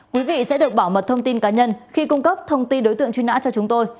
quý vị sẽ được bảo mật thông tin cá nhân khi cung cấp thông tin đối tượng truy nã cho chúng tôi